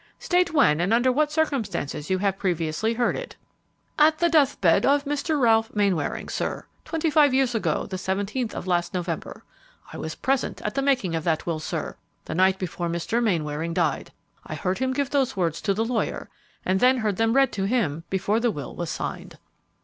"State when and under what circumstances you have previously heard it." "At the death bed of Mr. Ralph Mainwaring, sir, twenty five years ago the seventeenth of last November. I was present at the making of that will, sir, the night before Mr. Mainwaring died. I heard him give those words to the lawyer, and then heard them read to him before the will was signed."